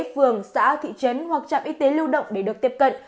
phường xã thị trấn hoặc trạm y tế lưu động để được tiếp cận